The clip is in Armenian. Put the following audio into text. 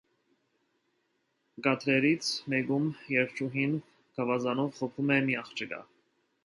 Կադրերից մեկում երգչուհին գավազանով խփում է մի աղջկա։